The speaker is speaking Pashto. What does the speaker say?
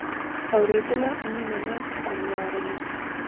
اورېدله مینه ناکه انوارونه